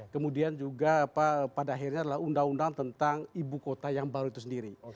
kemudian juga pada akhirnya adalah undang undang tentang ibu kota yang baru itu sendiri